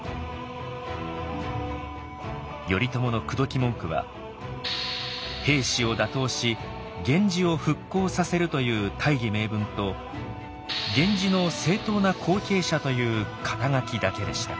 頼朝の口説き文句は平氏を打倒し源氏を復興させるという大義名分と源氏の正統な後継者という肩書だけでした。